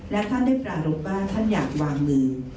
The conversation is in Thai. และท่านได้ปรารถว่าท่านอยากวางมือ